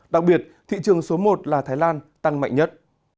thị trường số một là thái lan tăng mạnh nhất